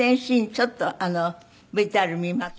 ちょっとＶＴＲ見ます。